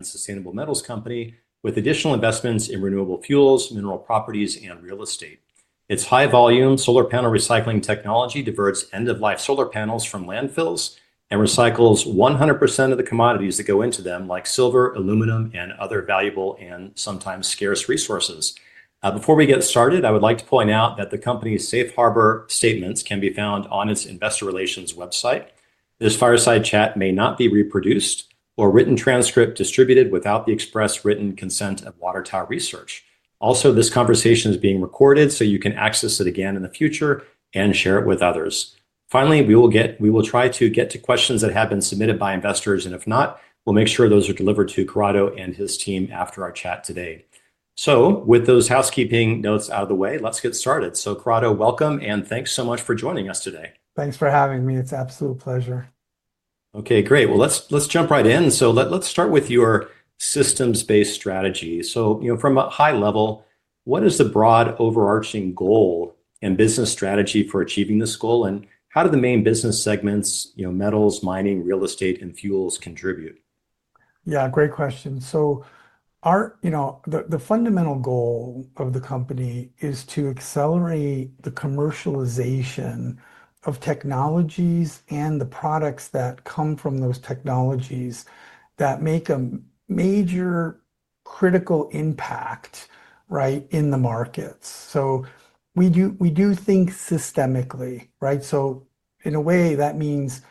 Sustainable metals company with additional investments in renewable fuels, mineral properties, and real estate. Its high-volume solar panel recycling technology diverts end-of-life solar panels from landfills and recycles 100% of the commodities that go into them, like silver, aluminum, and other valuable and sometimes scarce resources. Before we get started, I would like to point out that the company's safe harbor statements can be found on its investor relations website. This fireside chat may not be reproduced or written transcript distributed without the express written consent of Water Tower Research. Also, this conversation is being recorded so you can access it again in the future and share it with others. Finally, we will try to get to questions that have been submitted by investors, and if not, we'll make sure those are delivered to Corrado and his team after our chat today. With those housekeeping notes out of the way, let's get started. Corrado, welcome, and thanks so much for joining us today. Thanks for having me. It's an absolute pleasure. Okay, great. Let's jump right in. Let's start with your systems-based strategy. From a high level, what is the broad overarching goal and business strategy for achieving this goal, and how do the main business segments, metals, mining, real estate, and fuels, contribute? Yeah, great question. The fundamental goal of the company is to accelerate the commercialization of technologies and the products that come from those technologies that make a major critical impact in the markets. We do think systemically. In a way, that means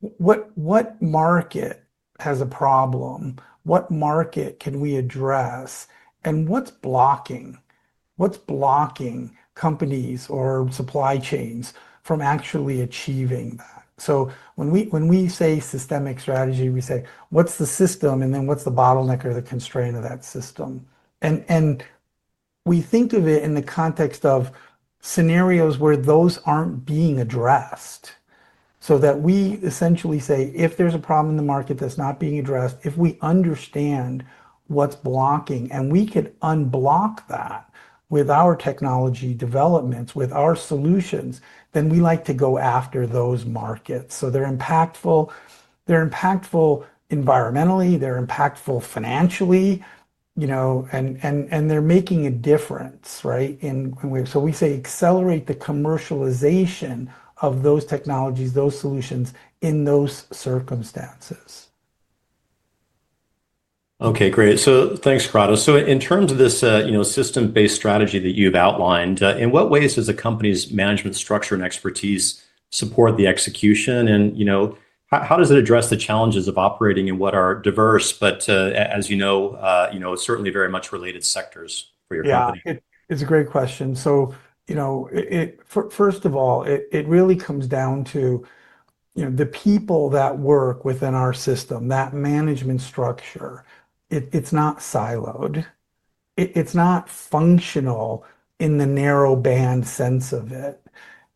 what market has a problem? What market can we address? What's blocking companies or supply chains from actually achieving that? When we say systemic strategy, we say, what's the system, and then what's the bottleneck or the constraint of that system? We think of it in the context of scenarios where those aren't being addressed. We essentially say, if there's a problem in the market that's not being addressed, if we understand what's blocking and we can unblock that with our technology developments, with our solutions, then we like to go after those markets. They're impactful environmentally, they're impactful financially, and they're making a difference. We say accelerate the commercialization of those technologies, those solutions in those circumstances. Okay, great. Thanks, Corrado. In terms of this system-based strategy that you've outlined, in what ways does the company's management structure and expertise support the execution? How does it address the challenges of operating in what are diverse, but as you know, certainly very much related sectors for your company? Yeah, it's a great question. First of all, it really comes down to the people that work within our system, that management structure. It's not siloed. It's not functional in the narrow band sense of it.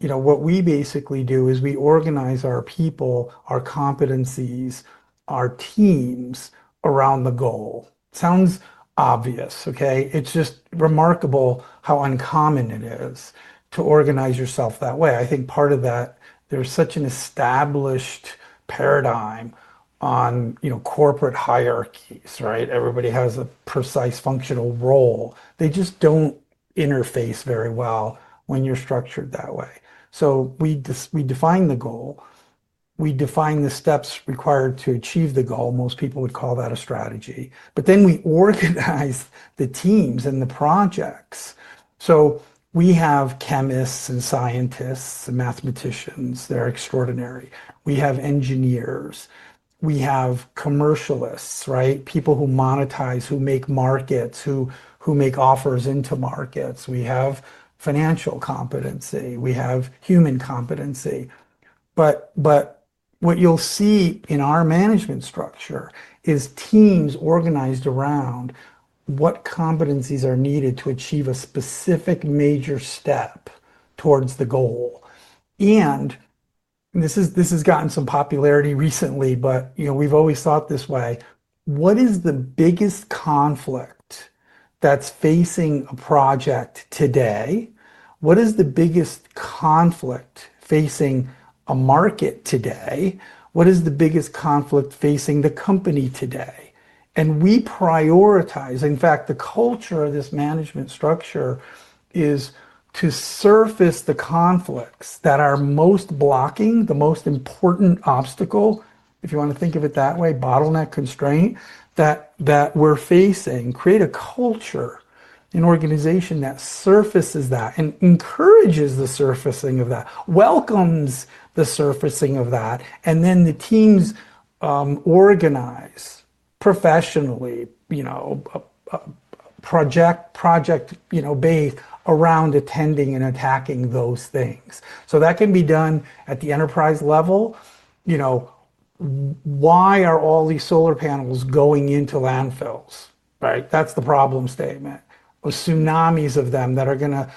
What we basically do is we organize our people, our competencies, our teams around the goal. Sounds obvious, okay? It's just remarkable how uncommon it is to organize yourself that way. I think part of that, there's such an established paradigm on corporate hierarchies. Everybody has a precise functional role. They just don't interface very well when you're structured that way. We define the goal. We define the steps required to achieve the goal. Most people would call that a strategy. Then we organize the teams and the projects. We have chemists and scientists and mathematicians. They're extraordinary. We have engineers. We have commercialists, people who monetize, who make markets, who make offers into markets. We have financial competency. We have human competency. What you'll see in our management structure is teams organized around what competencies are needed to achieve a specific major step towards the goal. This has gotten some popularity recently, but we've always thought this way. What is the biggest conflict that's facing a project today? What is the biggest conflict facing a market today? What is the biggest conflict facing the company today? We prioritize, in fact, the culture of this management structure is to surface the conflicts that are most blocking, the most important obstacle, if you want to think of it that way, bottleneck, constraint that we're facing, create a culture in organization that surfaces that and encourages the surfacing of that, welcomes the surfacing of that, and then the teams organize professionally, project-based around attending and attacking those things. That can be done at the enterprise level. Why are all these solar panels going into landfills? That's the problem statement. Tsunamis of them that are going to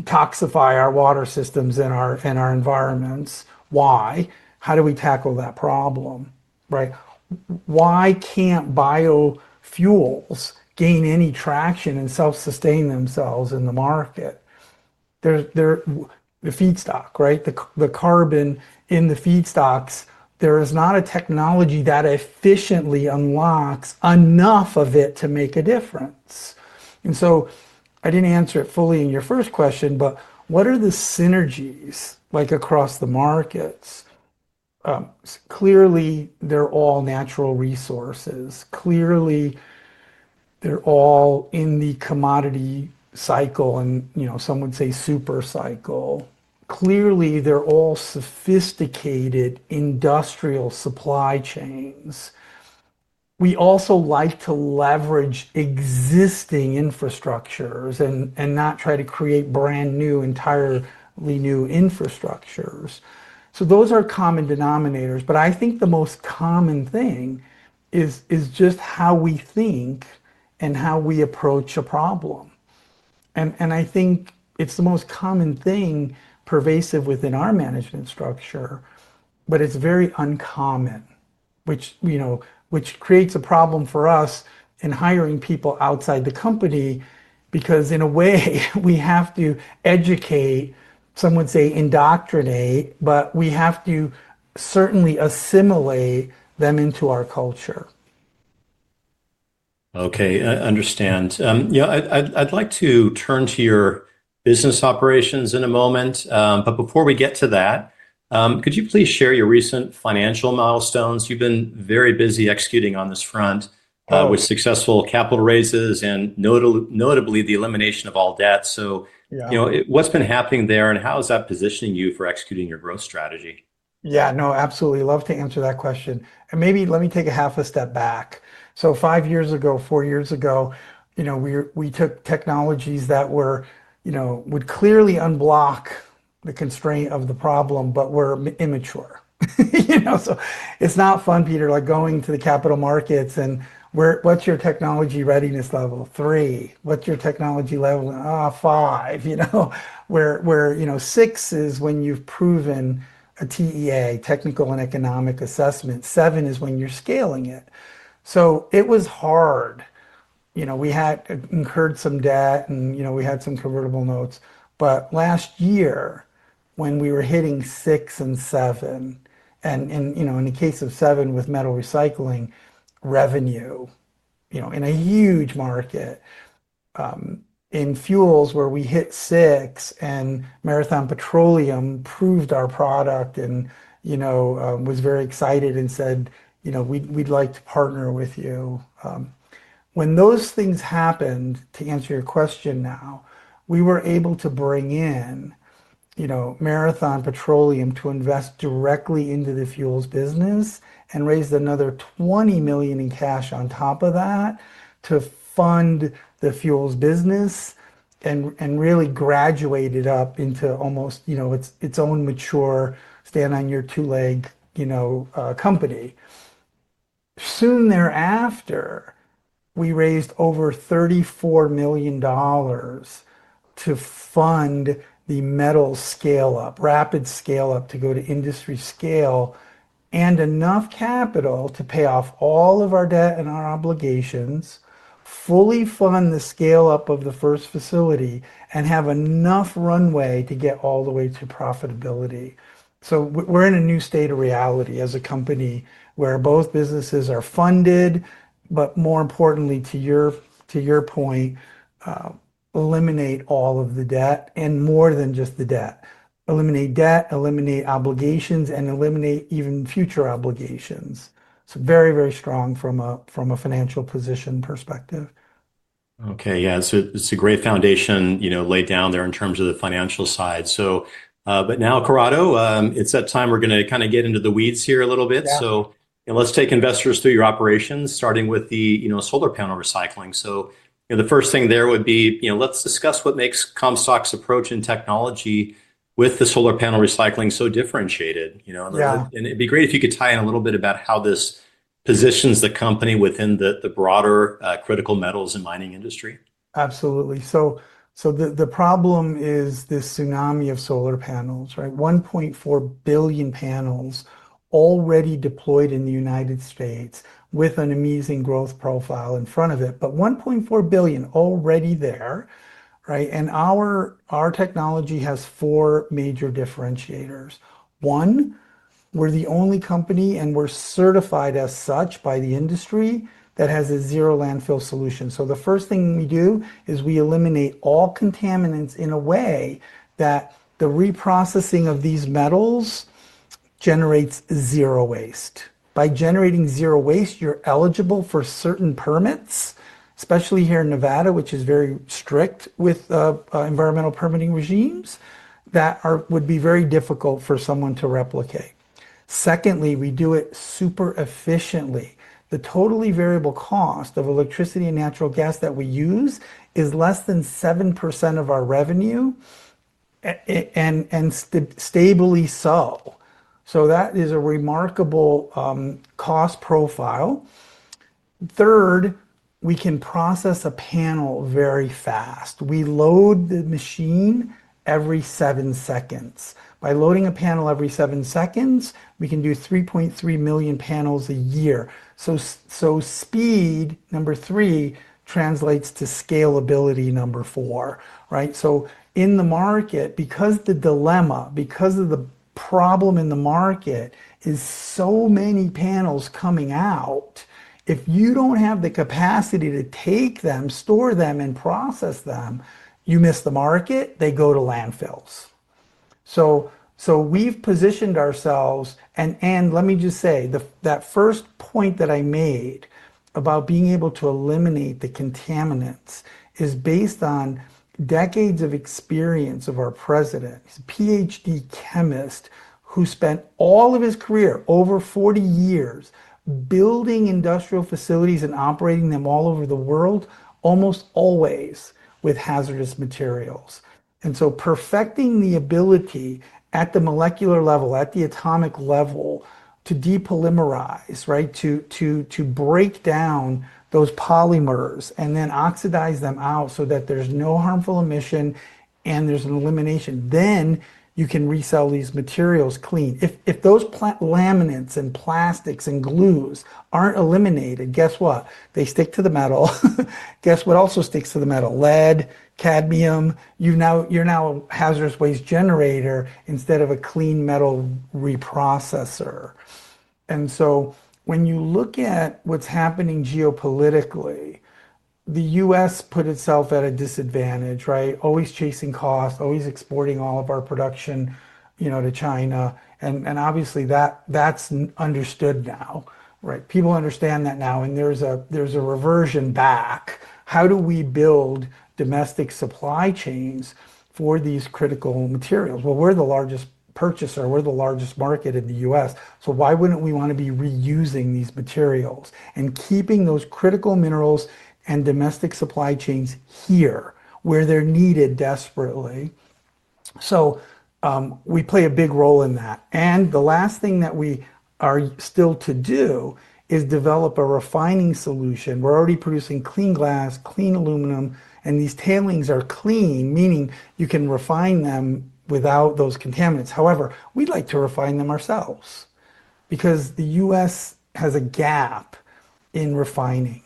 toxify our water systems and our environments. Why? How do we tackle that problem? Why can't biofuels gain any traction and self-sustain themselves in the market? The feedstock, the carbon in the feedstocks, there is not a technology that efficiently unlocks enough of it to make a difference. I did not answer it fully in your first question, but what are the synergies across the markets? Clearly, they are all natural resources. Clearly, they are all in the commodity cycle and some would say supercycle. Clearly, they are all sophisticated industrial supply chains. We also like to leverage existing infrastructures and not try to create brand new, entirely new infrastructures. Those are common denominators. I think the most common thing is just how we think and how we approach a problem. I think it is the most common thing pervasive within our management structure, but it is very uncommon, which creates a problem for us in hiring people outside the company because in a way, we have to educate, some would say indoctrinate, but we have to certainly assimilate them into our culture. Okay, understand. I'd like to turn to your business operations in a moment, but before we get to that, could you please share your recent financial milestones? You've been very busy executing on this front with successful capital raises and notably the elimination of all debt. What has been happening there and how is that positioning you for executing your growth strategy? Yeah, no, absolutely. Love to answer that question. Maybe let me take a half a step back. Five years ago, four years ago, we took technologies that would clearly unblock the constraint of the problem, but were immature. It's not fun, Peter, like going to the capital markets and what's your technology readiness level? Three. What's your technology level? Five, where six is when you've proven a TEA, Technical and Economic Assessment. Seven is when you're scaling it. It was hard. We had incurred some debt and we had some convertible notes. Last year, when we were hitting six and seven, and in the case of seven with metal recycling revenue in a huge market, in fuels where we hit six and Marathon Petroleum proved our product and was very excited and said, "We'd like to partner with you." When those things happened, to answer your question now, we were able to bring in Marathon Petroleum to invest directly into the fuels business and raised another $20 million in cash on top of that to fund the fuels business and really graduated up into almost its own mature stand-on-your-two-leg company. Soon thereafter, we raised over $34 million to fund the metal scale-up, rapid scale-up to go to industry scale and enough capital to pay off all of our debt and our obligations, fully fund the scale-up of the first facility and have enough runway to get all the way to profitability. We're in a new state of reality as a company where both businesses are funded, but more importantly, to your point, eliminate all of the debt and more than just the debt. Eliminate debt, eliminate obligations, and eliminate even future obligations. Very, very strong from a financial position perspective. Okay, yeah. It's a great foundation laid down there in terms of the financial side. Corrado, it's that time we're going to kind of get into the weeds here a little bit. Let's take investors through your operations, starting with the solar panel recycling. The first thing there would be, let's discuss what makes Comstock's approach and technology with the solar panel recycling so differentiated. It'd be great if you could tie in a little bit about how this positions the company within the broader critical metals and mining industry. Absolutely. The problem is this tsunami of solar panels, 1.4 billion panels already deployed in the United States with an amazing growth profile in front of it, but 1.4 billion already there. Our technology has four major differentiators. One, we're the only company, and we're certified as such by the industry, that has a zero-landfill solution. The first thing we do is we eliminate all contaminants in a way that the reprocessing of these metals generates zero waste. By generating zero waste, you're eligible for certain permits, especially here in Nevada, which is very strict with environmental permitting regimes that would be very difficult for someone to replicate. Secondly, we do it super efficiently. The totally variable cost of electricity and natural gas that we use is less than 7% of our revenue and stably so. That is a remarkable cost profile. Third, we can process a panel very fast. We load the machine every seven seconds. By loading a panel every seven seconds, we can do 3.3 million panels a year. Speed, number three, translates to scalability, number four. In the market, because the dilemma, because of the problem in the market is so many panels coming out, if you do not have the capacity to take them, store them, and process them, you miss the market, they go to landfills. We have positioned ourselves. Let me just say, that first point that I made about being able to eliminate the contaminants is based on decades of experience of our President, PhD chemist who spent all of his career, over 40 years, building industrial facilities and operating them all over the world, almost always with hazardous materials. Perfecting the ability at the molecular level, at the atomic level, to depolymerize, to break down those polymers and then oxidize them out so that there's no harmful emission and there's an elimination, then you can resell these materials clean. If those laminants and plastics and glues aren't eliminated, guess what? They stick to the metal. Guess what also sticks to the metal? Lead, cadmium. You're now a hazardous waste generator instead of a clean metal reprocessor. When you look at what's happening geopolitically, the U.S. put itself at a disadvantage, always chasing cost, always exporting all of our production to China. Obviously, that's understood now. People understand that now and there's a reversion back. How do we build domestic supply chains for these critical materials? We're the largest purchaser. We're the largest market in the U.S. Why wouldn't we want to be reusing these materials and keeping those critical minerals and domestic supply chains here where they're needed desperately? We play a big role in that. The last thing that we are still to do is develop a refining solution. We're already producing clean glass, clean aluminum, and these tailings are clean, meaning you can refine them without those contaminants. However, we'd like to refine them ourselves because the U.S. has a gap in refining,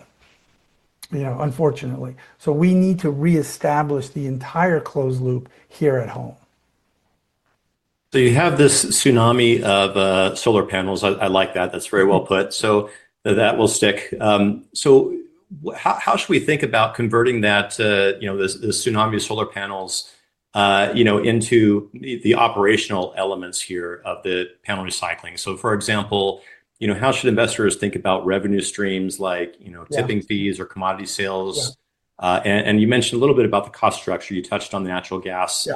unfortunately. We need to reestablish the entire closed loop here at home. You have this tsunami of solar panels. I like that. That's very well put. That will stick. How should we think about converting this tsunami of solar panels into the operational elements here of the panel recycling? For example, how should investors think about revenue streams like tipping fees or commodity sales? You mentioned a little bit about the cost structure. You touched on the natural gas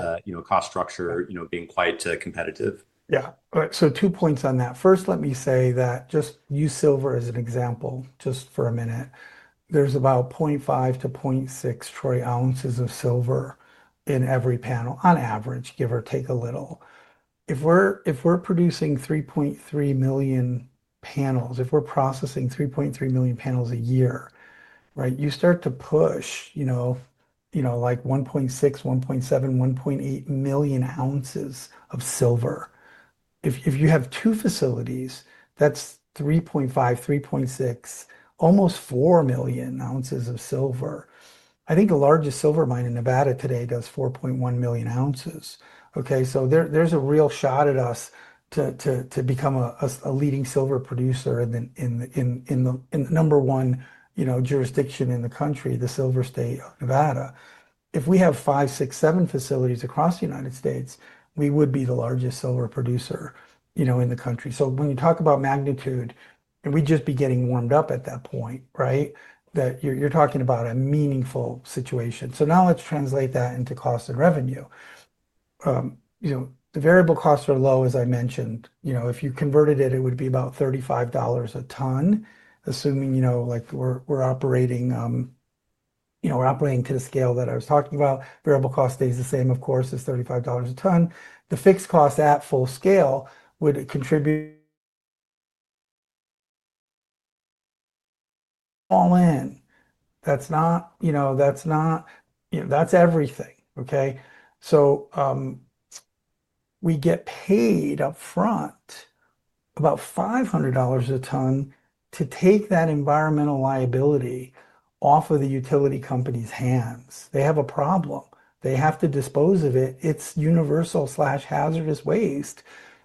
cost structure being quite competitive. Yeah. Two points on that. First, let me say that just use silver as an example just for a minute. There's about 0.5-0.6 troy ounces of silver in every panel on average, give or take a little. If we're producing 3.3 million panels, if we're processing 3.3 million panels a year, you start to push like 1.6, 1.7, 1.8 million ounces of silver. If you have two facilities, that's 3.5, 3.6, almost 4 million ounces of silver. I think the largest silver mine in Nevada today does 4.1 million ounces. There's a real shot at us to become a leading silver producer in the number one jurisdiction in the country, the Silver State of Nevada. If we have five, six, seven facilities across the United States, we would be the largest silver producer in the country. When you talk about magnitude, we'd just be getting warmed up at that point that you're talking about a meaningful situation. Now let's translate that into cost and revenue. The variable costs are low, as I mentioned. If you converted it, it would be about $35 a ton, assuming we're operating to the scale that I was talking about. Variable cost stays the same, of course, as $35 a ton. The fixed cost at full scale would contribute all in. That's not everything. We get paid upfront about $500 a ton to take that environmental liability off of the utility company's hands. They have a problem. They have to dispose of it. It's universal/hazardous waste.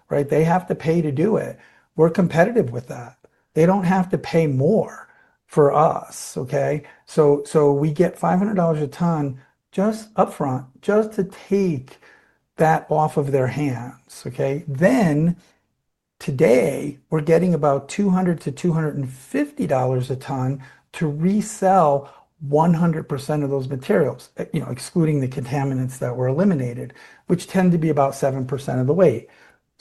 They have to pay to do it. We're competitive with that. They don't have to pay more for us. We get $500 a ton just upfront, just to take that off of their hands. Today, we're getting about $200-$250 a ton to resell 100% of those materials, excluding the contaminants that were eliminated, which tend to be about 7% of the weight.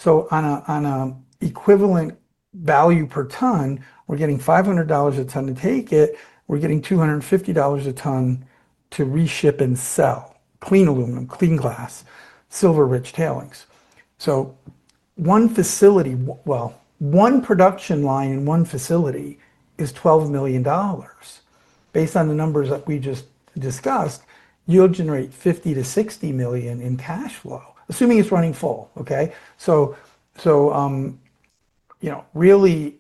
On an equivalent value per ton, we're getting $500 a ton to take it. We're getting $250 a ton to reship and sell clean aluminum, clean glass, silver-rich tailings. One production line in one facility is $12 million. Based on the numbers that we just discussed, you'll generate $50 million-$60 million in cash flow, assuming it's running full. Really,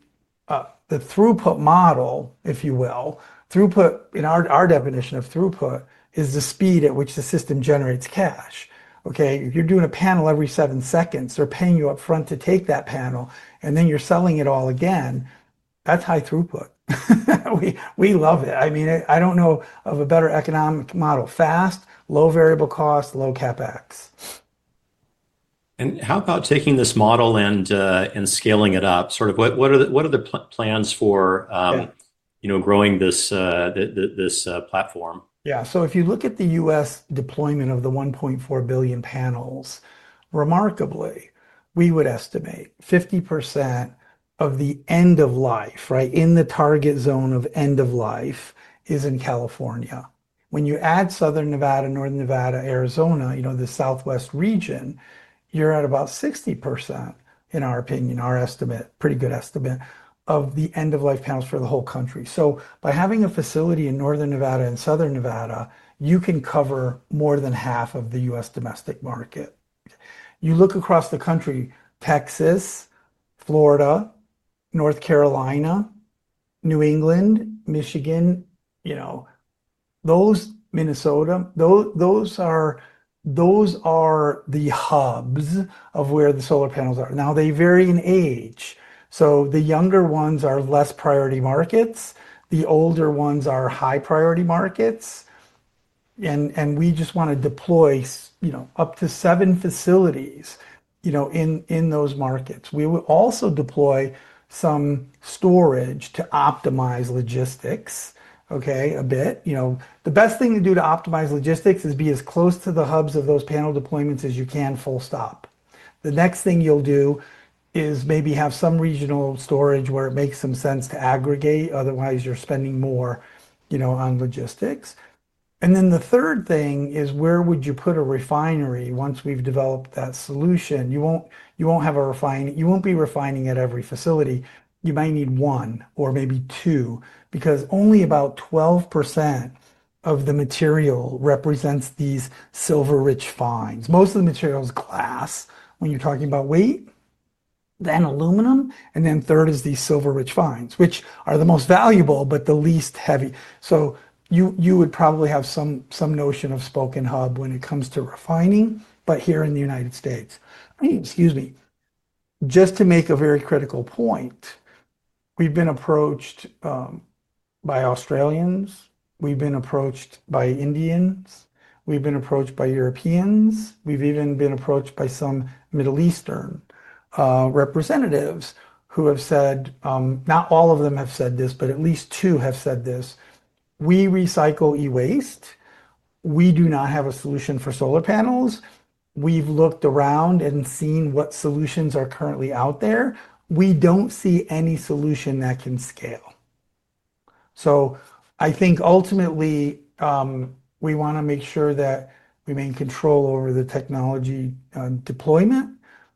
the throughput model, if you will, throughput, in our definition of throughput, is the speed at which the system generates cash. If you're doing a panel every seven seconds, they're paying you upfront to take that panel, and then you're selling it all again, that's high throughput. We love it. I mean, I don't know of a better economic model. Fast, low variable cost, low CapEx. How about taking this model and scaling it up? Sort of what are the plans for growing this platform? Yeah. If you look at the U.S. deployment of the 1.4 billion panels, remarkably, we would estimate 50% of the end of life in the target zone of end of life is in California. When you add Southern Nevada, Northern Nevada, Arizona, the southwest region, you're at about 60%, in our opinion, our estimate, pretty good estimate of the end-of-life panels for the whole country. By having a facility in Northern Nevada and Southern Nevada, you can cover more than half of the U.S. domestic market. You look across the country, Texas, Florida, North Carolina, New England, Michigan, Minnesota, those are the hubs of where the solar panels are. They vary in age. The younger ones are less priority markets. The older ones are high priority markets. We just want to deploy up to seven facilities in those markets. We will also deploy some storage to optimize logistics a bit. The best thing to do to optimize logistics is be as close to the hubs of those panel deployments as you can, full stop. The next thing you'll do is maybe have some regional storage where it makes some sense to aggregate. Otherwise, you're spending more on logistics. The third thing is, where would you put a refinery once we've developed that solution? You won't be refining at every facility. You might need one or maybe two because only about 12% of the material represents these silver-rich fines. Most of the material is glass when you're talking about weight, then aluminum, and then third is these silver-rich fines, which are the most valuable, but the least heavy. You would probably have some notion of spoken hub when it comes to refining, but here in the U.S. Excuse me. Just to make a very critical point, we've been approached by Australians. We've been approached by Indians. We've been approached by Europeans. We've even been approached by some Middle Eastern representatives who have said, not all of them have said this, but at least two have said this. We recycle e-waste. We do not have a solution for solar panels. We've looked around and seen what solutions are currently out there. We don't see any solution that can scale. I think ultimately, we want to make sure that we maintain control over the technology deployment,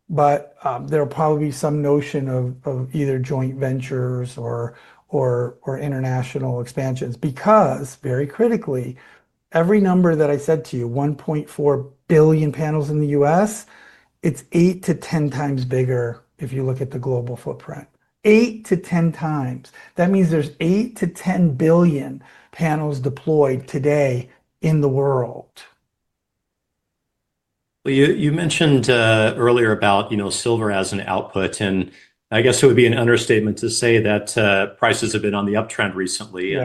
but there will probably be some notion of either joint ventures or international expansions because, very critically, every number that I said to you, 1.4 billion panels in the U.S., it's 8x-10x bigger if you look at the global footprint. 8x-10x. That means there's 8 billion-10 billion panels deployed today in the world. You mentioned earlier about silver as an output. I guess it would be an understatement to say that prices have been on the uptrend recently.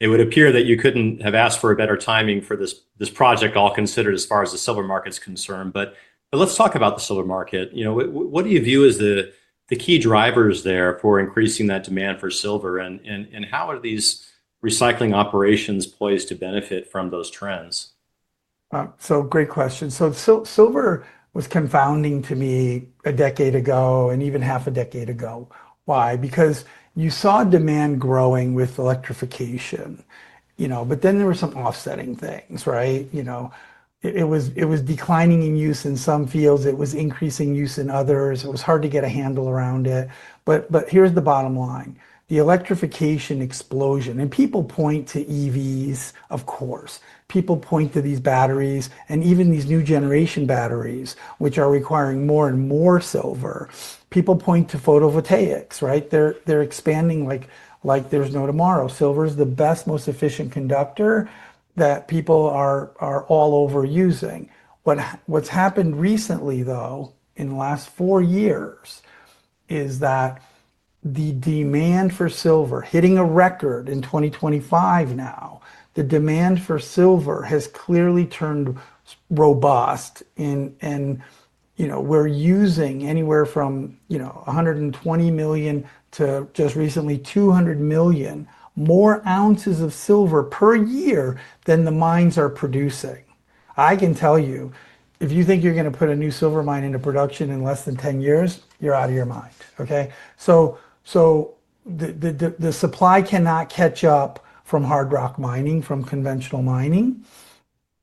It would appear that you could not have asked for a better timing for this project, all considered as far as the silver market is concerned. Let's talk about the silver market. What do you view as the key drivers there for increasing that demand for silver? How are these recycling operations poised to benefit from those trends? Great question. Silver was confounding to me a decade ago and even half a decade ago. Why? Because you saw demand growing with electrification. There were some offsetting things. It was declining in use in some fields. It was increasing use in others. It was hard to get a handle around it. Here's the bottom line. The electrification explosion, and people point to EVs, of course. People point to these batteries and even these new generation batteries, which are requiring more and more silver. People point to photovoltaics. They're expanding like there's no tomorrow. Silver is the best, most efficient conductor that people are all over using. What's happened recently, though, in the last four years is that the demand for silver, hitting a record in 2025 now, the demand for silver has clearly turned robust. We're using anywhere from 120 million to just recently 200 million more ounces of silver per year than the mines are producing. I can tell you, if you think you're going to put a new silver mine into production in less than 10 years, you're out of your mind. The supply cannot catch up from hard rock mining, from conventional mining,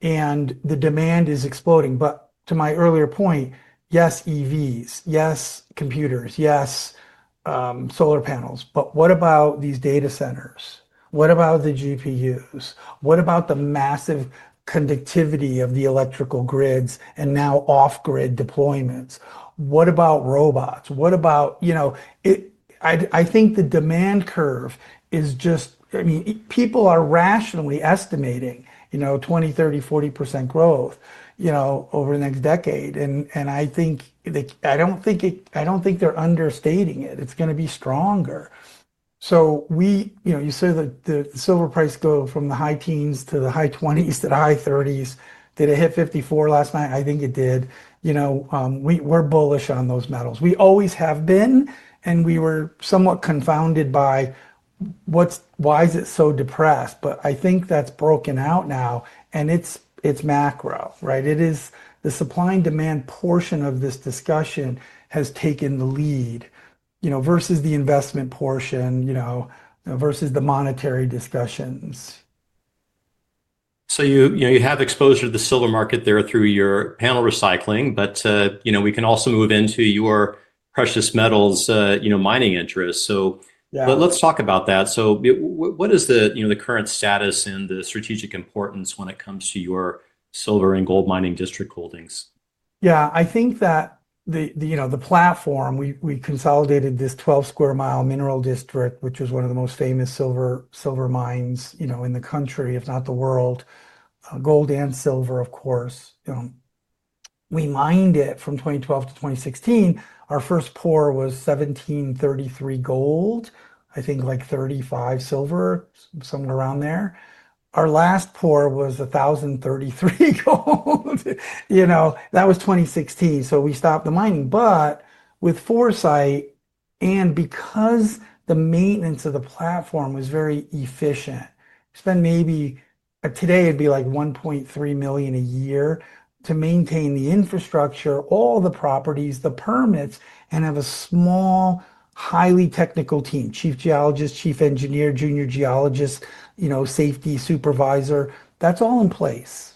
and the demand is exploding. To my earlier point, yes, EVs, yes, computers, yes, solar panels, but what about these data centers? What about the GPUs? What about the massive conductivity of the electrical grids and now off-grid deployments? What about robots? I think the demand curve is just, I mean, people are rationally estimating 20%, 30%, 40% growth over the next decade. I don't think they're understating it. It's going to be stronger. You said the silver price go from the high teens to the high 20s to the high 30s. Did it hit $54 last night? I think it did. We're bullish on those metals. We always have been, and we were somewhat confounded by why is it so depressed? I think that's broken out now, and it's macro. The supply and demand portion of this discussion has taken the lead versus the investment portion versus the monetary discussions. You have exposure to the silver market there through your panel recycling, but we can also move into your precious metals mining interests. Let's talk about that. What is the current status and the strategic importance when it comes to your silver and gold mining district holdings? Yeah. I think that the platform, we consolidated this 12 sq mi mineral district, which is one of the most famous silver mines in the country, if not the world, gold and silver, of course. We mined it from 2012 to 2016. Our first pour was 1,733 gold, I think like 35 silver, somewhere around there. Our last pour was 1,033 gold. That was 2016. We stopped the mining. With foresight and because the maintenance of the platform was very efficient, spend maybe today it'd be like $1.3 million a year to maintain the infrastructure, all the properties, the permits, and have a small, highly technical team, Chief Geologist, Chief Engineer, Junior Geologist, Safety Supervisor. That's all in place.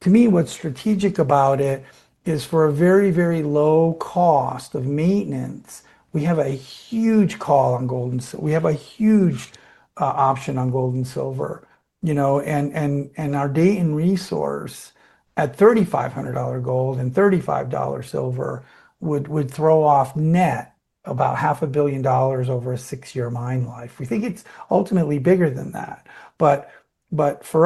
To me, what's strategic about it is for a very, very low cost of maintenance, we have a huge call on gold and we have a huge option on gold and silver. Our Dayton resource at $3,500 gold and $35 silver would throw off net about $500,000,000 over a six-year mine life. We think it's ultimately bigger than that. For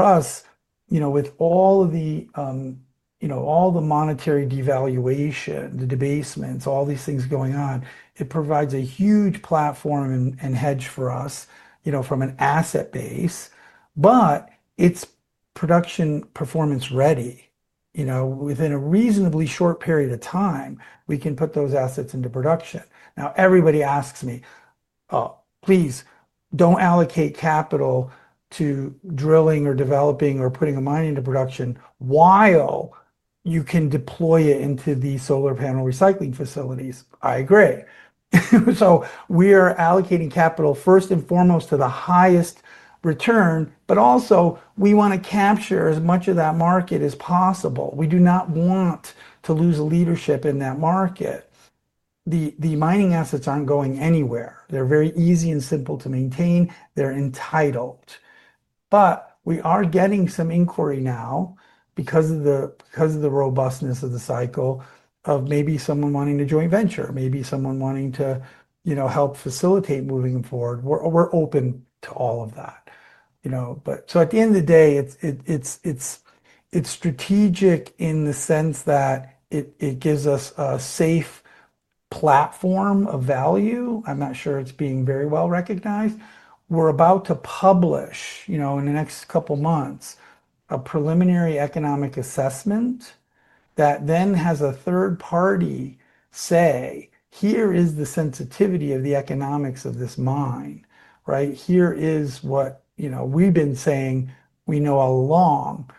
us, with all the monetary devaluation, the debasements, all these things going on, it provides a huge platform and hedge for us from an asset base. It's production performance ready. Within a reasonably short period of time, we can put those assets into production. Now, everybody asks me, "Please, don't allocate capital to drilling or developing or putting a mine into production while you can deploy it into the solar panel recycling facilities." I agree. We are allocating capital first and foremost to the highest return, but also we want to capture as much of that market as possible. We do not want to lose leadership in that market. The mining assets are not going anywhere. They are very easy and simple to maintain. They are entitled. We are getting some inquiry now because of the robustness of the cycle of maybe someone wanting to joint venture, maybe someone wanting to help facilitate moving forward. We are open to all of that. At the end of the day, it is strategic in the sense that it gives us a safe platform of value. I am not sure it is being very well recognized. We are about to publish in the next couple of months a preliminary economic assessment that then has a third party say, "Here is the sensitivity of the economics of this mine. Here is what we've been saying we know all along.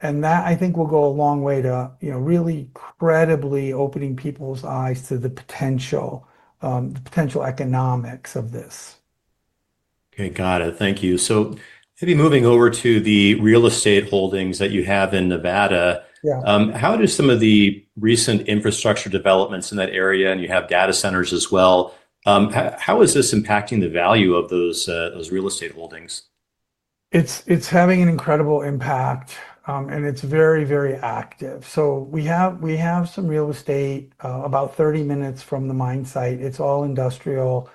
I think that will go a long way to really credibly opening people's eyes to the potential economics of this. Okay. Got it. Thank you. Maybe moving over to the real estate holdings that you have in Nevada. How do some of the recent infrastructure developments in that area, and you have data centers as well, how is this impacting the value of those real estate holdings? It's having an incredible impact, and it's very, very active. We have some real estate about 30 minutes from the mine site. It's all industrial.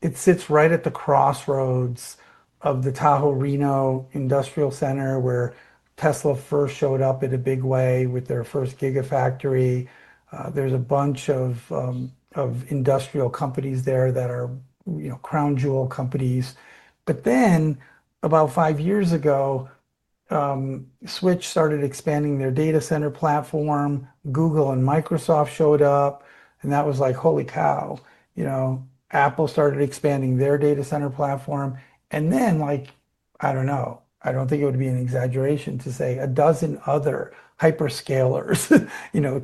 It sits right at the crossroads of the Tahoe-Reno Industrial Center where Tesla first showed up in a big way with their first gigafactory. There are a bunch of industrial companies there that are crown jewel companies. About five years ago, Switch started expanding their data center platform. Google and Microsoft showed up, and that was like, "Holy cow." Apple started expanding their data center platform. I don't know, I don't think it would be an exaggeration to say a dozen other hyperscalers,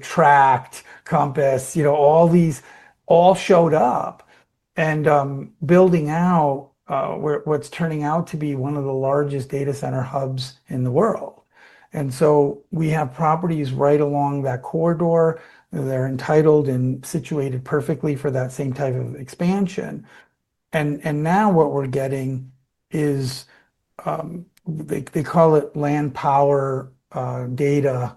Track, Compass, all these, all showed up and are building out what's turning out to be one of the largest data center hubs in the world. We have properties right along that corridor. They're entitled and situated perfectly for that same type of expansion. Now what we're getting is they call it land power data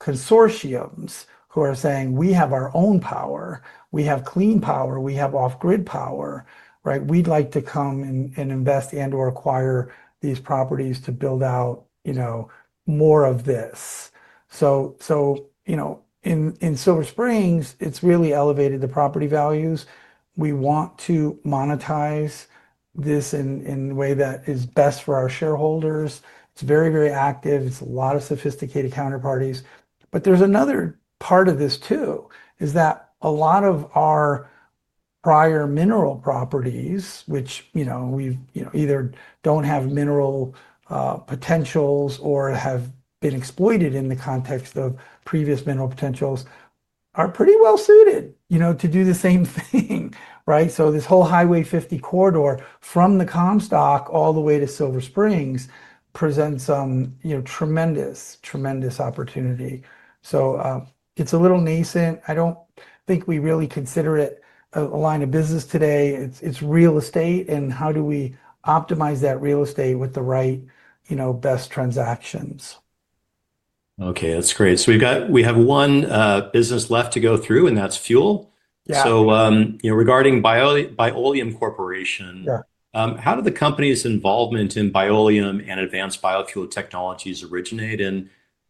consortiums who are saying, "We have our own power. We have clean power. We have off-grid power. We'd like to come and invest and/or acquire these properties to build out more of this." In Silver Springs, it's really elevated the property values. We want to monetize this in a way that is best for our shareholders. It's very, very active. It's a lot of sophisticated counterparties. There's another part of this too, which is that a lot of our prior mineral properties, which either do not have mineral potentials or have been exploited in the context of previous mineral potentials, are pretty well suited to do the same thing. This whole Highway 50 corridor from the Comstock all the way to Silver Springs presents some tremendous, tremendous opportunity. It is a little nascent. I do not think we really consider it a line of business today. It is real estate, and how do we optimize that real estate with the right best transactions? Okay. That's great. We have one business left to go through, and that's fuel. Regarding Bioleum Corporation, how did the company's involvement in Bioleum and advanced biofuel technologies originate?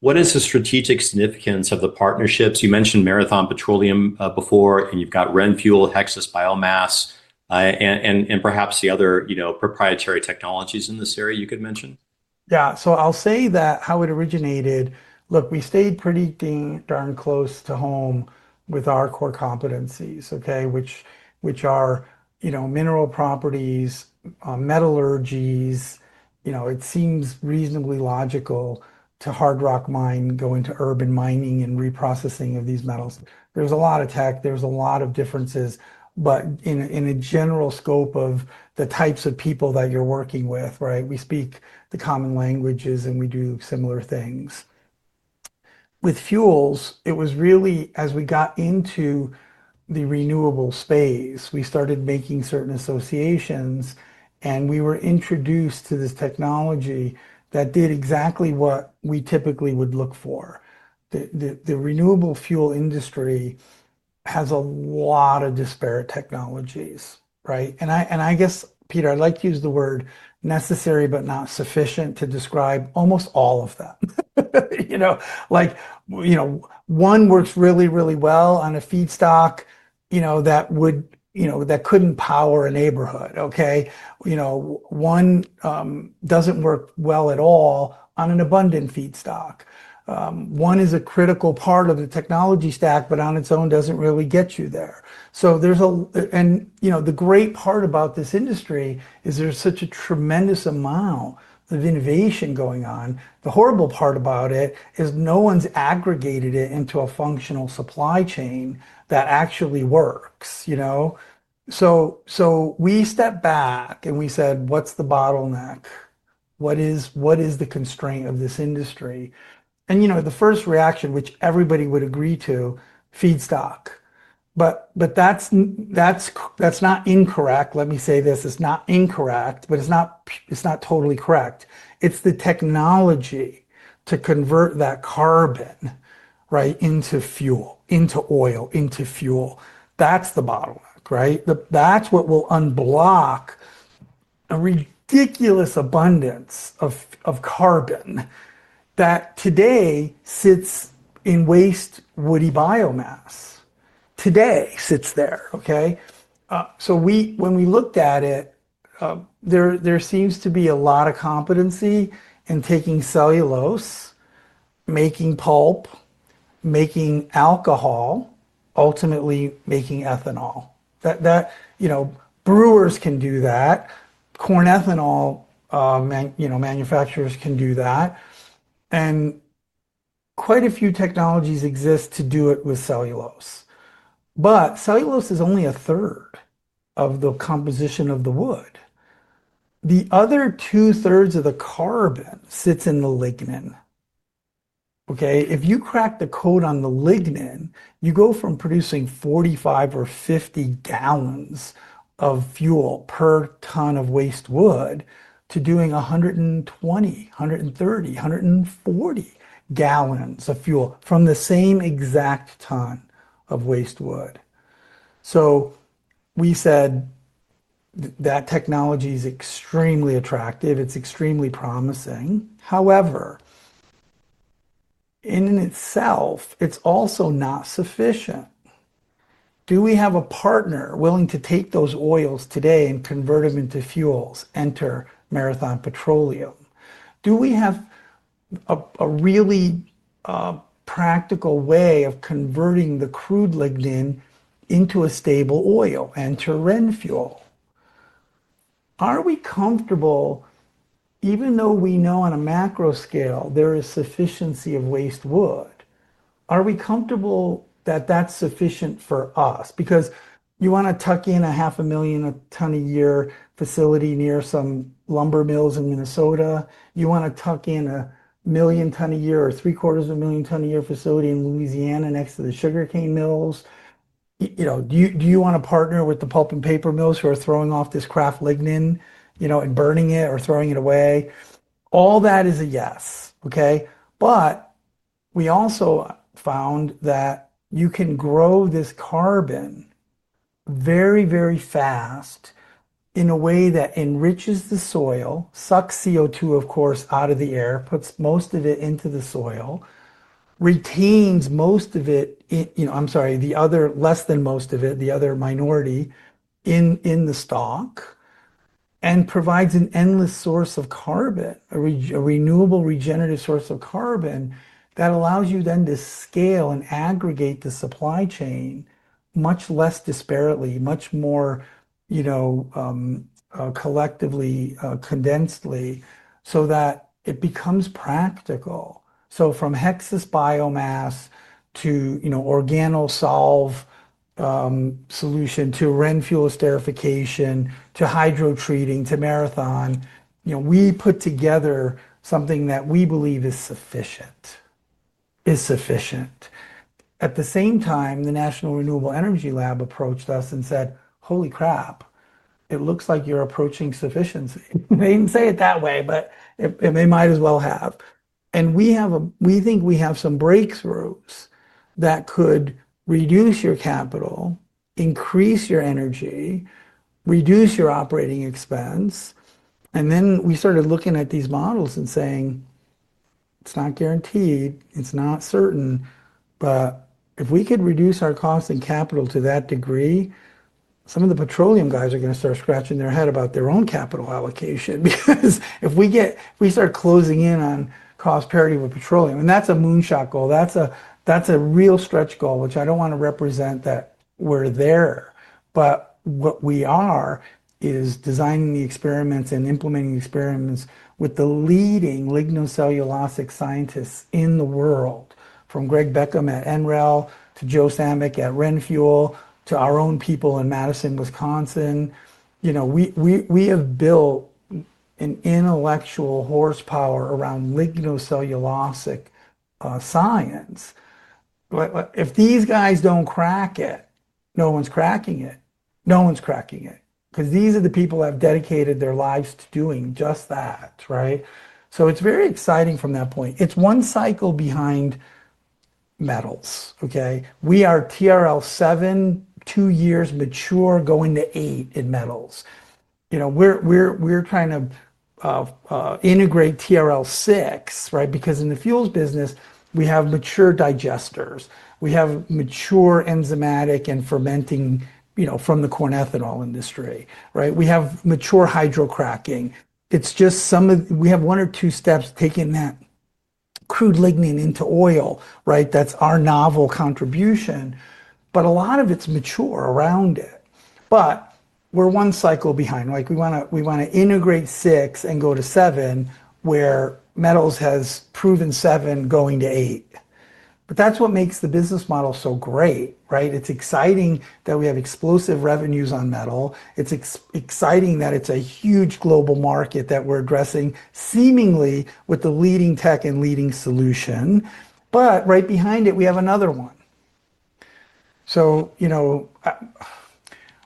What is the strategic significance of the partnerships? You mentioned Marathon Petroleum before, and you've got RenFuel, Hexas Biomass, and perhaps the other proprietary technologies in this area you could mention. Yeah. I'll say that how it originated, look, we stayed pretty darn close to home with our core competencies, which are mineral properties, metallurgy. It seems reasonably logical to hard rock mine go into urban mining and reprocessing of these metals. There's a lot of tech. There's a lot of differences. In a general scope of the types of people that you're working with, we speak the common languages, and we do similar things. With fuels, it was really as we got into the renewable space, we started making certain associations, and we were introduced to this technology that did exactly what we typically would look for. The renewable fuel industry has a lot of disparate technologies. I guess, Peter, I'd like to use the word necessary, but not sufficient to describe almost all of them. One works really, really well on a feedstock that could not power a neighborhood. One does not work well at all on an abundant feedstock. One is a critical part of the technology stack, but on its own does not really get you there. The great part about this industry is there is such a tremendous amount of innovation going on. The horrible part about it is no one has aggregated it into a functional supply chain that actually works. We stepped back and we said, "What is the bottleneck? What is the constraint of this industry?" The first reaction, which everybody would agree to, feedstock. That is not incorrect. Let me say this. It is not incorrect, but it is not totally correct. It is the technology to convert that carbon into fuel, into oil, into fuel. That is the bottleneck. That's what will unblock a ridiculous abundance of carbon that today sits in waste woody biomass. Today sits there. When we looked at it, there seems to be a lot of competency in taking cellulose, making pulp, making alcohol, ultimately making ethanol. Brewers can do that. Corn ethanol manufacturers can do that. Quite a few technologies exist to do it with cellulose. Cellulose is only a third of the composition of the wood. The other two-thirds of the carbon sits in the lignin. If you crack the code on the lignin, you go from producing 45 or 50 gallons of fuel per ton of waste wood to doing 120, 130, 140 gallons of fuel from the same exact ton of waste wood. We said that technology is extremely attractive. It's extremely promising. However, in and itself, it's also not sufficient. Do we have a partner willing to take those oils today and convert them into fuels? Enter Marathon Petroleum. Do we have a really practical way of converting the crude lignin into a stable oil and to RenFuel? Are we comfortable, even though we know on a macro scale there is sufficiency of waste wood? Are we comfortable that that's sufficient for us? Because you want to tuck in a 500,000 ton a year facility near some lumber mills in Minnesota. You want to tuck in a 1 million ton a year or 3/4 million ton a year facility in Louisiana next to the sugarcane mills. Do you want to partner with the pulp and paper mills who are throwing off this kraft lignin and burning it or throwing it away? All that is a yes. We also found that you can grow this carbon very, very fast in a way that enriches the soil, sucks CO2, of course, out of the air, puts most of it into the soil, retains most of it, I'm sorry, the other less than most of it, the other minority in the stock, and provides an endless source of carbon, a renewable regenerative source of carbon that allows you then to scale and aggregate the supply chain much less disparately, much more collectively, condensedly so that it becomes practical. From Hexas Biomass to Organosolv solution to RenFuel esterification to hydro treating to Marathon, we put together something that we believe is sufficient. At the same time, the National Renewable Energy Lab approached us and said, "Holy crap. It looks like you're approaching sufficiency." They did not say it that way, but they might as well have". We think we have some breakthroughs that could reduce your capital, increase your energy, reduce your operating expense. We started looking at these models and saying, "It's not guaranteed. It's not certain. But if we could reduce our cost and capital to that degree, some of the petroleum guys are going to start scratching their head about their own capital allocation because if we start closing in on cost parity with petroleum." That's a moonshot goal. That's a real stretch goal, which I don't want to represent that we're there. What we are is designing the experiments and implementing experiments with the leading lignocellulosic scientists in the world, from Gregg Beckham at NREL to Joe Samec at RenFuel to our own people in Madison, Wisconsin. We have built an intellectual horsepower around lignocellulosic science. If these guys don't crack it, no one's cracking it. No one's cracking it. Because these are the people who have dedicated their lives to doing just that. It's very exciting from that point. It's one cycle behind metals. We are TRL 7, two years mature, going to 8 in metals. We're trying to integrate TRL 6 because in the fuels business, we have mature digesters. We have mature enzymatic and fermenting from the corn ethanol industry. We have mature hydrocracking. It's just some of we have one or two steps taking that crude lignin into oil. That's our novel contribution. A lot of it's mature around it. We're one cycle behind. We want to integrate 6 and go to 7, where metals has proven 7 going to 8. That's what makes the business model so great. It's exciting that we have explosive revenues on metal. It's exciting that it's a huge global market that we're addressing, seemingly with the leading tech and leading solution. Right behind it, we have another one.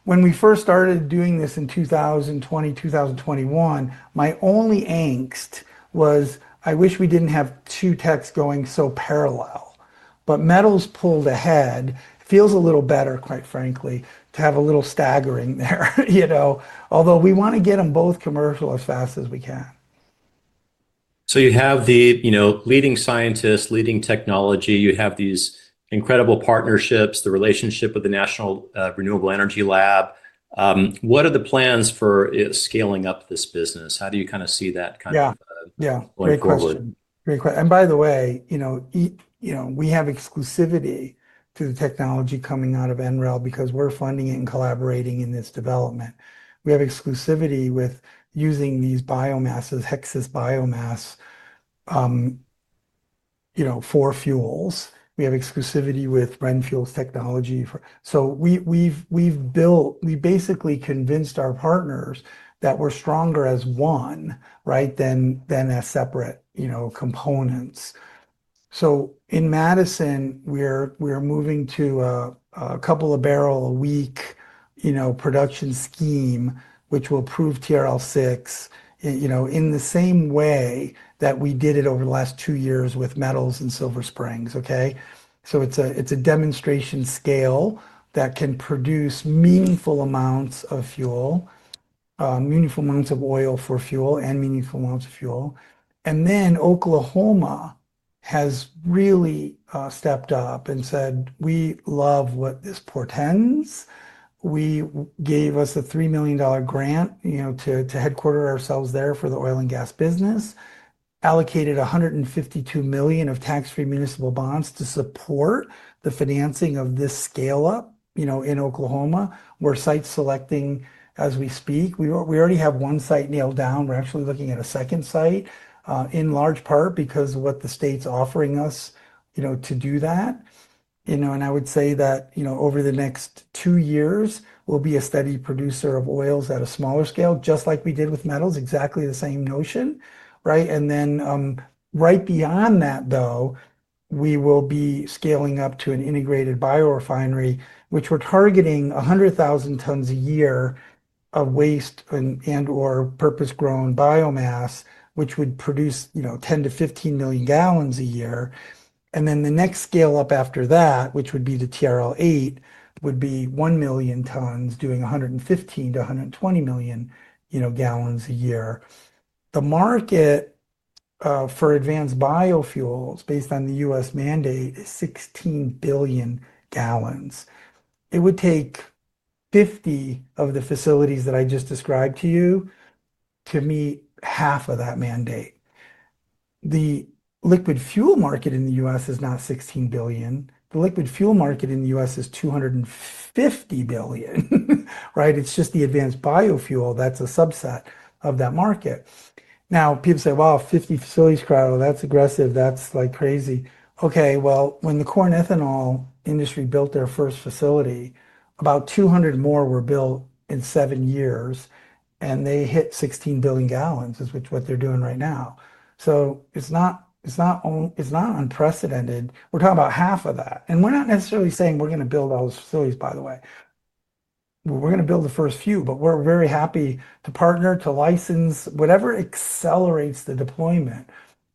When we first started doing this in 2020, 2021, my only angst was, "I wish we didn't have two techs going so parallel." Metals pulled ahead. Feels a little better, quite frankly, to have a little staggering there. Although we want to get them both commercial as fast as we can. You have the leading scientists, leading technology. You have these incredible partnerships, the relationship with the National Renewable Energy Lab. What are the plans for scaling up this business? How do you kind of see that kind of going forward? Yeah. Very question. By the way, we have exclusivity to the technology coming out of NREL because we're funding it and collaborating in this development. We have exclusivity with using these biomasses, Hexas Biomass, for fuels. We have exclusivity with RenFuel's technology. We basically convinced our partners that we're stronger as one than as separate components. In Madison, we're moving to a couple of barrel a week production scheme, which will prove TRL 6 in the same way that we did it over the last two years with metals in Silver Springs. It's a demonstration scale that can produce meaningful amounts of fuel, meaningful amounts of oil for fuel, and meaningful amounts of fuel. Oklahoma has really stepped up and said, "We love what this portends." They gave us a $3 million grant to headquarter ourselves there for the oil and gas business, allocated $152 million of tax-free municipal bonds to support the financing of this scale-up in Oklahoma. We're site selecting as we speak. We already have one site nailed down. We're actually looking at a second site, in large part because of what the state's offering us to do that. I would say that over the next two years, we'll be a steady producer of oils at a smaller scale, just like we did with metals, exactly the same notion. Right beyond that, though, we will be scaling up to an integrated bio refinery, which we're targeting 100,000 tons a year of waste and/or purpose-grown biomass, which would produce 10 million-15 million gallons a year. Then the next scale-up after that, which would be the TRL 8, would be 1 million tons doing 115 million-120 million gallons a year. The market for advanced biofuels, based on the U.S. mandate, is 16 billion gallons. It would take 50 of the facilities that I just described to you to meet half of that mandate. The liquid fuel market in the U.S. is not 16 billion. The liquid fuel market in the U.S. is 250 billion. It's just the advanced biofuel that's a subset of that market. Now, people say, "Wow, 50 facilities, Carroll, that's aggressive. That's like crazy." Okay, when the corn ethanol industry built their first facility, about 200 more were built in seven years, and they hit 16 billion gallons, which is what they're doing right now. It's not unprecedented. We're talking about half of that. We are not necessarily saying we are going to build all those facilities, by the way. We are going to build the first few, but we are very happy to partner, to license, whatever accelerates the deployment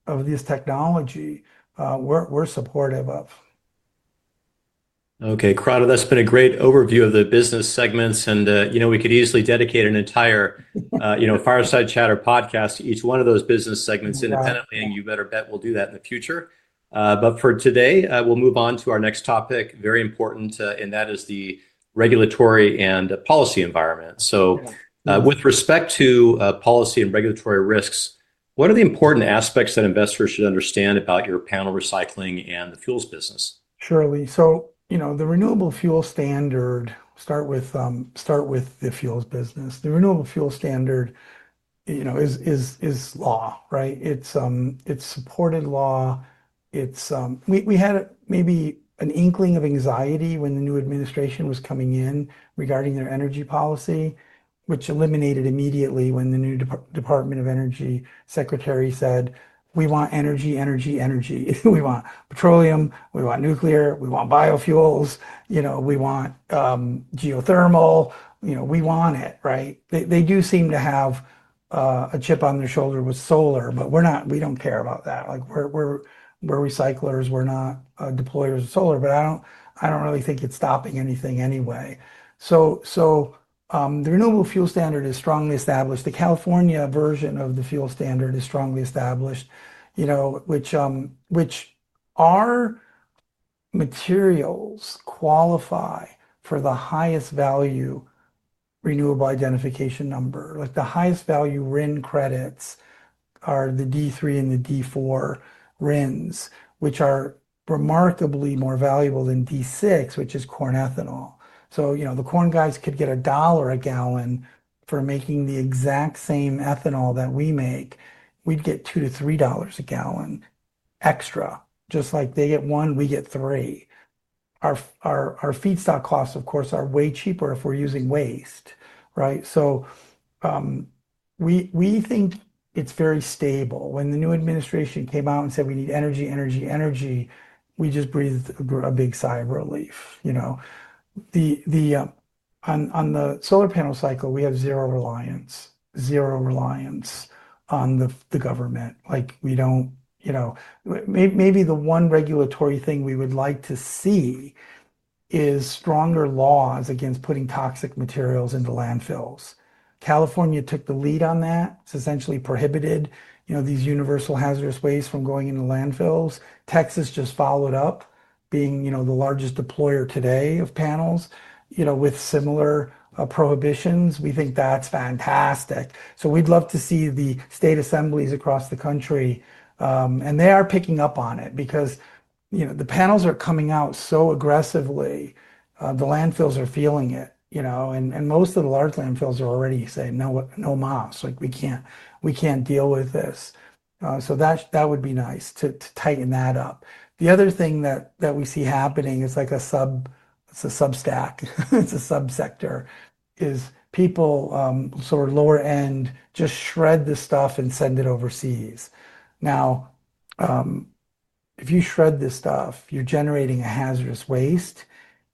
of this technology, we are supportive of. Okay, Corrado, that's been a great overview of the business segments. We could easily dedicate an entire Fireside Chatter podcast to each one of those business segments independently, and you better bet we'll do that in the future. For today, we'll move on to our next topic, very important, and that is the regulatory and policy environment. With respect to policy and regulatory risks, what are the important aspects that investors should understand about your panel recycling and the fuels business? Surely. The renewable fuel standard, start with the fuels business. The renewable fuel standard is law. It is supported law. We had maybe an inkling of anxiety when the new administration was coming in regarding their energy policy, which eliminated immediately when the new Department of Energy Secretary said, "We want energy, energy, energy. We want petroleum. We want nuclear. We want biofuels. We want geothermal. We want it." They do seem to have a chip on their shoulder with solar, but we do not care about that. We are recyclers. We are not deployers of solar. I do not really think it is stopping anything anyway. The renewable fuel standard is strongly established. The California version of the fuel standard is strongly established, which our materials qualify for the highest value renewable identification number. The highest value RIN credits are the D3 and the D4 RINs, which are remarkably more valuable than D6, which is corn ethanol. The corn guys could get $1 a gallon for making the exact same ethanol that we make. We'd get $2-$3 a gallon extra, just like they get one, we get three. Our feedstock costs, of course, are way cheaper if we're using waste. We think it's very stable. When the new administration came out and said, "We need energy, energy, energy," we just breathed a big sigh of relief. On the solar panel cycle, we have zero reliance, zero reliance on the government. Maybe the one regulatory thing we would like to see is stronger laws against putting toxic materials into landfills. California took the lead on that. It's essentially prohibited these universal hazardous waste from going into landfills. Texas just followed up, being the largest deployer today of panels with similar prohibitions. We think that's fantastic. We'd love to see the state assemblies across the country. They are picking up on it because the panels are coming out so aggressively. The landfills are feeling it. Most of the large landfills are already saying, "No moss. We can't deal with this." That would be nice to tighten that up. The other thing that we see happening is like a substack. It's a subsector, is people, sort of lower end, just shred this stuff and send it overseas. Now, if you shred this stuff, you're generating a hazardous waste.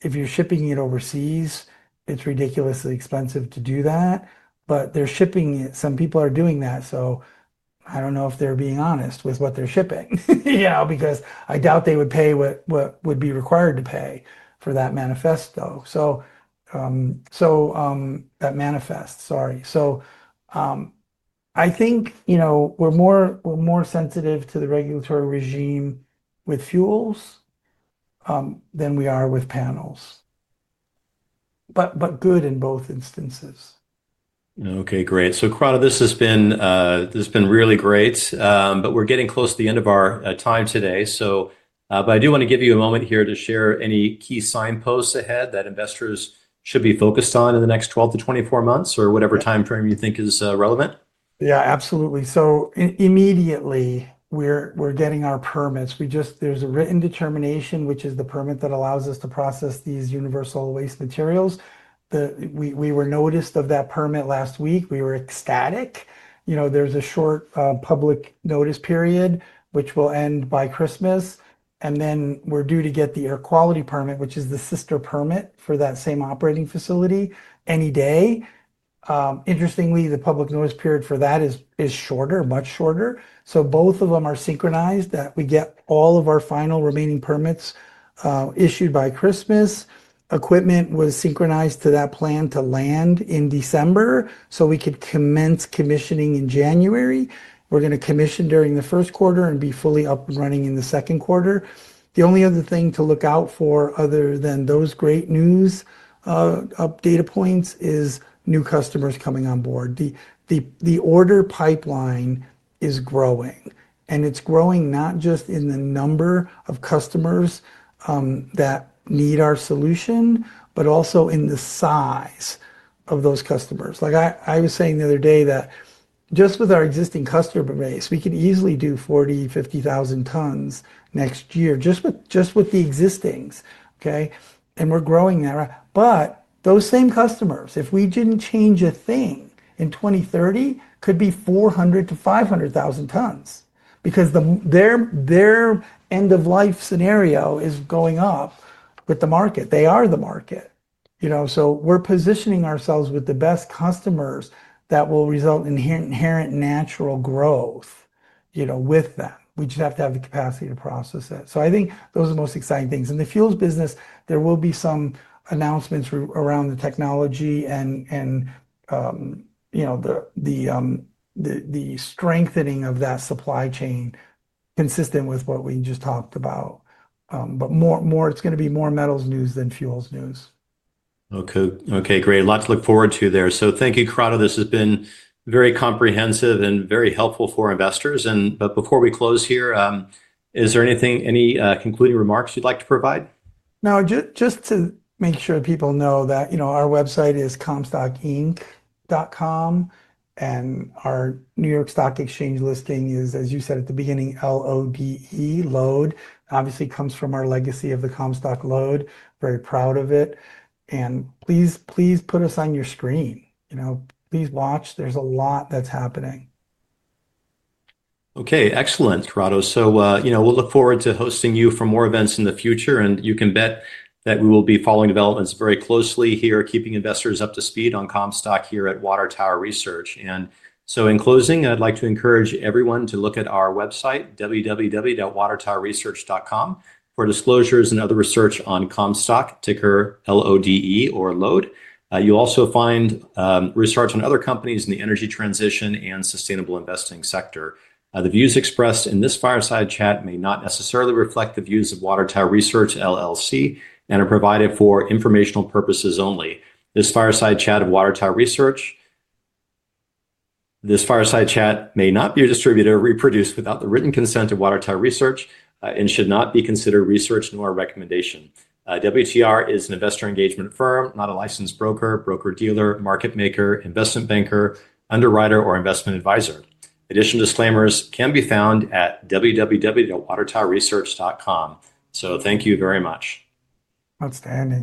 If you're shipping it overseas, it's ridiculously expensive to do that. They're shipping it. Some people are doing that. I don't know if they're being honest with what they're shipping because I doubt they would pay what would be required to pay for that manifest. That manifest, sorry. I think we're more sensitive to the regulatory regime with fuels than we are with panels, but good in both instances. Okay, great. Carroll, this has been really great. We are getting close to the end of our time today. I do want to give you a moment here to share any key signposts ahead that investors should be focused on in the next 12 to 24 months or whatever time frame you think is relevant. Yeah, absolutely. So, immediately, we're getting our permits. There's a written determination, which is the permit that allows us to process these universal waste materials. We were noticed of that permit last week. We were ecstatic. There's a short public notice period, which will end by Christmas. And then we're due to get the air quality permit, which is the sister permit for that same operating facility, any day. Interestingly, the public notice period for that is shorter, much shorter. So, both of them are synchronized that we get all of our final remaining permits issued by Christmas. Equipment was synchronized to that plan to land in December, so we could commence commissioning in January. We're going to commission during the first quarter and be fully up and running in the second quarter. The only other thing to look out for, other than those great news data points, is new customers coming on board. The order pipeline is growing. It is growing not just in the number of customers that need our solution, but also in the size of those customers. I was saying the other day that just with our existing customer base, we could easily do 40,000 tons-50,000 tons next year, just with the existings. We are growing there. Those same customers, if we did not change a thing in 2030, could be 400,000 tons-500,000 tons because their end-of-life scenario is going up with the market. They are the market. We are positioning ourselves with the best customers that will result in inherent natural growth with them. We just have to have the capacity to process it. I think those are the most exciting things. In the fuels business, there will be some announcements around the technology and the strengthening of that supply chain consistent with what we just talked about. It is going to be more metals news than fuels news. Okay, great. A lot to look forward to there. Thank you, Corrado. This has been very comprehensive and very helpful for investors. Before we close here, is there any concluding remarks you'd like to provide? No, just to make sure people know that our website is comstockinc.com. Our New York Stock Exchange listing is, as you said at the beginning, LODE. Obviously, it comes from our legacy of the Comstock LODE. Very proud of it. Please put us on your screen. Please watch. There is a lot that is happening. Okay, excellent, Carroll. We'll look forward to hosting you for more events in the future. You can bet that we will be following developments very closely here, keeping investors up to speed on Comstock here at Water Tower Research. In closing, I'd like to encourage everyone to look at our website, www.watertoweresearch.com, for disclosures and other research on Comstock, ticker LODE. You'll also find research on other companies in the energy transition and sustainable investing sector. The views expressed in this Fireside Chat may not necessarily reflect the views of Water Tower Research and are provided for informational purposes only. This Fireside Chat of Water Tower Research may not be distributed or reproduced without the written consent of Water Tower Research and should not be considered research nor a recommendation. WTR is an investor engagement firm, not a licensed broker, broker-dealer, market maker, investment banker, underwriter, or investment advisor. Additional disclaimers can be found at www.watertowerresearch.com. Thank you very much. Outstanding.